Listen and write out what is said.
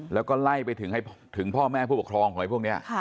แล้วก็ไล่ไปถึงพ่อแม่ผู้ปกครองของไอ้พวกนี้